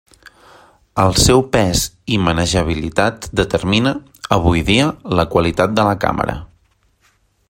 El seu pes i manejabilitat determina, avui dia, la qualitat de la càmera.